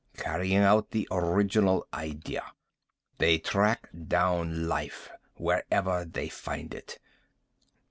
Carrying out the original idea. They track down life, wherever they find it."